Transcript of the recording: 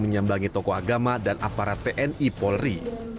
menyambangi tokoh agama dan aparat tni polri